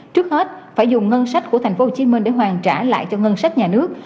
trước hết phải dùng ngân sách của thành phố hồ chí minh để hoàn trả lại cho ngân sách nhà nước